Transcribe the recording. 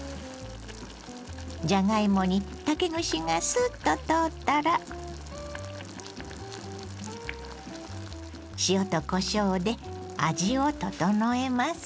じゃがいもに竹串がすっと通ったら塩とこしょうで味を調えます。